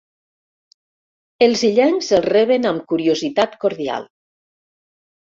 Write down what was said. Els illencs els reben amb curiositat cordial.